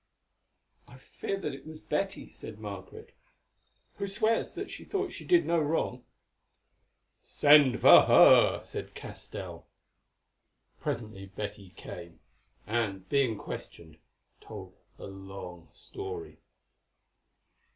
"I fear that it was Betty," said Margaret, "who swears that she thought she did no wrong." "Send for her," said Castell. Presently Betty came, and, being questioned, told a long story.